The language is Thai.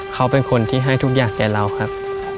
เขาเป็นคนที่ให้ทุกอย่างแก่เราครับ